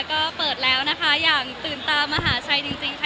ก็เปิดแล้วนะคะอย่างตื่นตามหาชัยจริงค่ะ